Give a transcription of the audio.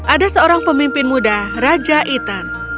ada seorang pemimpin muda raja itan